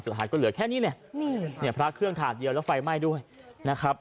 ใส่เหลือก็เหลือแค่นี้นึงเนี่ยพระเครื่องถาดเย็นแล้วฝันไม้ด้วยนะครับ